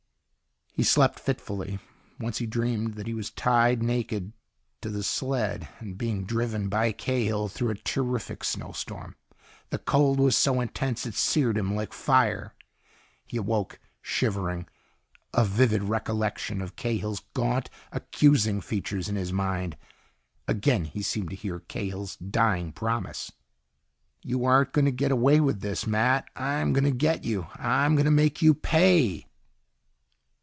He slept fitfully. Once he dreamed that he was tied, naked, to the sled and being driven by Cahill through a terrific snow storm. The cold was so intense it seared him like fire. He awoke, shivering, a vivid recollection of Cahill's gaunt, accusing features in his mind. Again he seemed to hear Cahill's dying promise. "_You aren't going to get away with this, Matt. I'm going to get you. I'm going to make you pay.